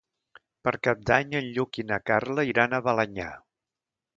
Per Cap d'Any en Lluc i na Carla iran a Balenyà.